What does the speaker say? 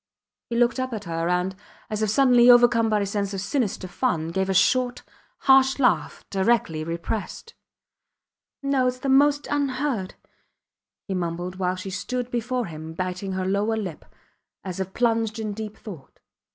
He looked up at her, and, as if suddenly overcome by a sense of sinister fun, gave a short, harsh laugh, directly repressed. No! Its the most unheard! ... he mumbled while she stood before him biting her lower lip, as if plunged in deep thought.